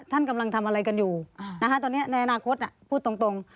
ท่านกำลังทำอะไรกันอยู่ตอนนี้ในอนาคตพูดตรง